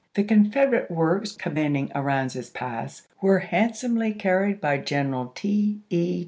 The Confederate works com manding Aransas Pass were handsomely carried by General T. E.